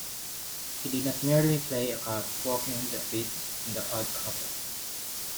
He did not merely play a cop walking the beat on 'The Odd Couple'.